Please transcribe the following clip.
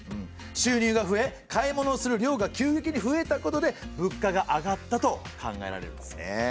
収入が増え買い物をする量が急激に増えたことで物価が上がったと考えられるんですねえ。